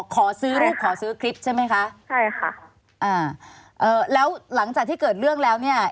ขอซื้อรูปขอซื้อคลิปใช่ไหมคะใช่ค่ะอ่าเอ่อแล้วหลังจากที่เกิดเรื่องแล้วเนี่ย